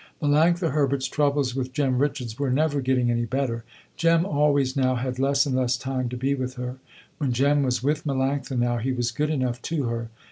Melanctha Herbert's troubles with Jem Richards were never getting any better. Jem always now had less and less time to be with her. When Jem was with Melanctha now he was good enough to her.